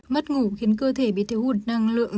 mất ngủ khiến cơ thể bị thiếu hụt năng lượng